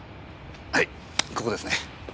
はいここですね。